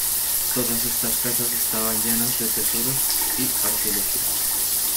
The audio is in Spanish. Todas estas casas estaban llenas de tesoros y artilugios.